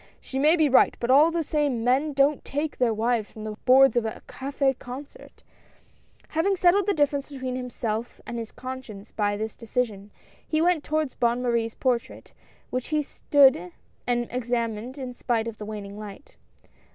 She may be right, but all the same, men don't take their wives from the boards of a cafS concert ! Having settled the difference between himself and his conscience by this decision, he went toward Bonne Marie's portrait, which he stood and examined in spite of the waning light.